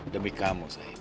demi kamu sayang